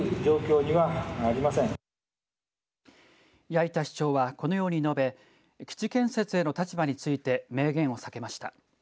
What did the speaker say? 八板市長は、このように述べ基地建設への立場について明言を避けました。